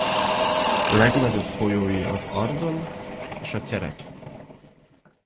Legnagyobb folyói az Ardon és a Tyerek.